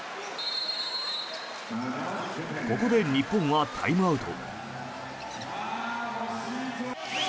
ここで日本はタイムアウト。